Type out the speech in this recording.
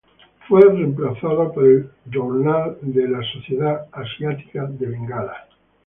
Fue reemplazada por "Journal of the Asiatic Society of Bengal.